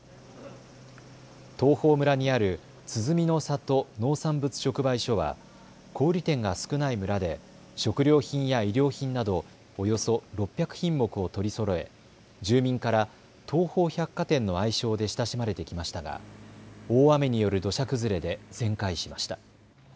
東峰村にあるつづみの里農産物直売所は小売店が少ない村で食料品や衣料品などおよそ６００品目を取りそろえ、住民からとうほう百貨店の愛称で親しまれてきましたが大雨による土砂崩れで全壊しました。